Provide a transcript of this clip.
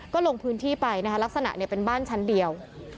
ก็ลงพื้นที่ไปนะคะลักษณะเป็นบ้านชั้นเดียว